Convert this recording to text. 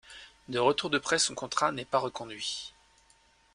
De retour de prêt, son contrat n'est pas reconduit.